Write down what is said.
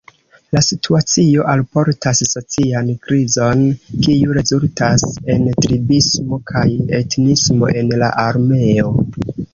La situacio alportas socian krizon, kiu rezultas en tribismo kaj etnismo en la armeo.